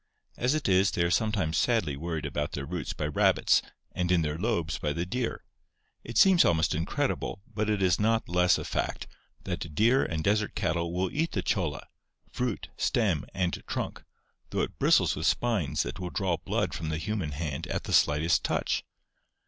As it is they are sometimes sadly worried about their roots by rabbits and in their lobes by the deer. It seems almost incredible but is not the less a fact, that deer and desert cattle will eat the cholla — fruit, stem, and trunk — though it bristles with spines that will draw blood from the human hand at the slightest touch.